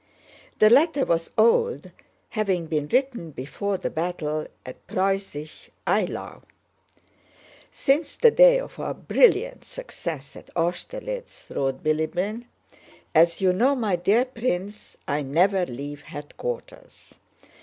The letter was old, having been written before the battle at Preussisch Eylau. "Since the day of our brilliant success at Austerlitz," wrote Bilíbin, "as you know, my dear prince, I never leave headquarters.